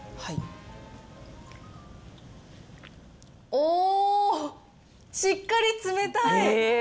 おー、しっかり冷たい。